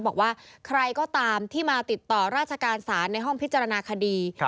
บอกว่าใครก็ตามที่มาติดต่อราชการศาลในห้องพิจารณาคดี